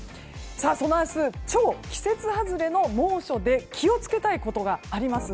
その明日、超季節外れの猛暑で気を付けたいことがあります。